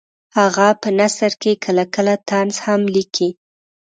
هغه په نثر کې کله کله طنز هم لیکي